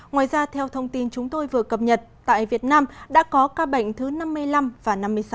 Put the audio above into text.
ngoài ra theo thông tin chúng tôi vừa cập nhật tại việt nam đã có ca bệnh thứ năm mươi năm và năm mươi sáu